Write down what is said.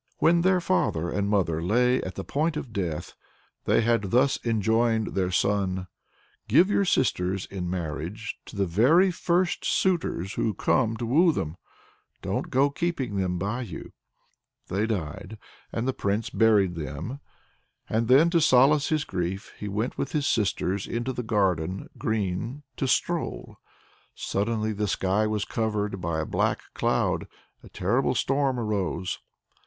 When their father and mother lay at the point of death, they had thus enjoined their son: "Give your sisters in marriage to the very first suitors who come to woo them. Don't go keeping them by you!" They died and the Prince buried them, and then, to solace his grief, he went with his sisters into the garden green to stroll. Suddenly the sky was covered by a black cloud; a terrible storm arose.